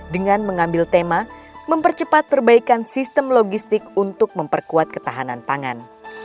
dengan mengambil tema mempercepat perbaikan sistem logistik untuk memperkuat ketahanan pangan